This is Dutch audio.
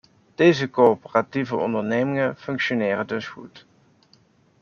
Deze coöperatieve ondernemingen functioneren dus goed.